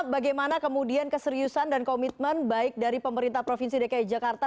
bagaimana kemudian keseriusan dan komitmen baik dari pemerintah provinsi dki jakarta